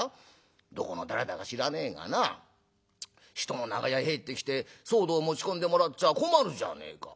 どこの誰だか知らねえがな人の長屋入ってきて騒動持ち込んでもらっちゃ困るじゃねえか。